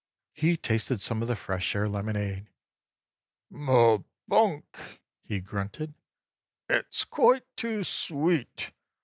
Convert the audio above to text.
He tasted some of the Fresh Air lemonade. "Oh, ugh! Bunk!" he grunted. "It's quite too SWEET!